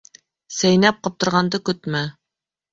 Сәйнәп ҡаптырғанды көтмә.